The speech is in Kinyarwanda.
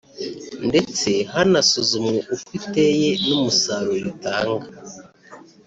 ndetse hanasuzumwe uko iteye n’umusaruro itanga